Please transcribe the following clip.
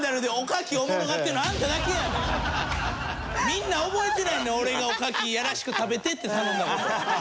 みんな覚えてないねん俺がおかきいやらしく食べてって頼んだ事。